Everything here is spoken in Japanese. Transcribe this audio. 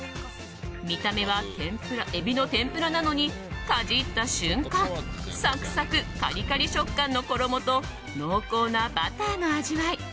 見た目はエビの天ぷらなのにかじった瞬間サクサクカリカリ食感の衣と濃厚なバターの味わい。